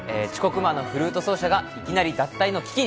魔のフルート奏者がいきなり脱退の危機に！